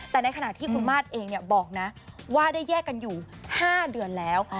แต่ในขณะที่คุณมาสเองบอกนะว่าได้แยกกันอยู่๕เดือนแล้ว